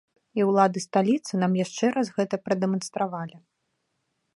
І ўлады сталіцы нам яшчэ раз гэта прадэманстравалі.